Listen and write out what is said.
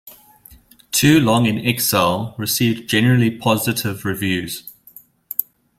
"Too Long in Exile" received generally positive reviews.